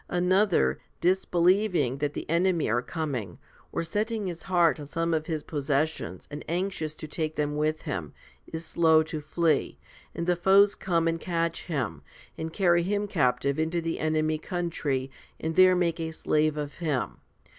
Another, disbelieving that the enemy are coming, or setting his heart on some of his possessions and anxious to take them with him, is slow to flee, and the foes come and catch him, and carry him captive into the enemy country, and there make a slave of him.